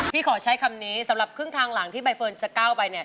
ขอใช้คำนี้สำหรับครึ่งทางหลังที่ใบเฟิร์นจะก้าวไปเนี่ย